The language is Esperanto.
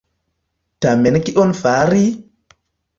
Tamen kion fari?